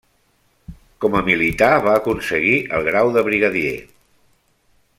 Com a militar va aconseguir el grau de Brigadier.